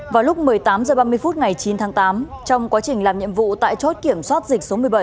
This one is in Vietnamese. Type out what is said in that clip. vào lúc một mươi tám h ba mươi phút ngày chín tháng tám trong quá trình làm nhiệm vụ tại chốt kiểm soát dịch số một mươi bảy